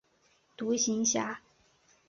独行侠。